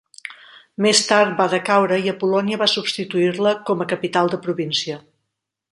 Més tard va decaure i Apollonia va substituir-la com a capital de província.